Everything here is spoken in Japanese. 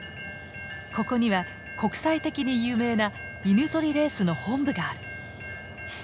ここには国際的に有名な犬ぞりレースの本部がある。